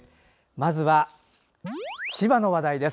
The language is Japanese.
まずは千葉の話題です。